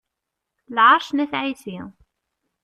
Lɛerc n At ɛisi.